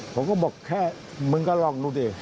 ผมก็บอกแค่มึงก็ลองดูดิ